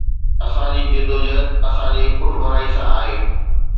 اسان جي جدوجهد اسان جي پٺڀرائي سان آهي.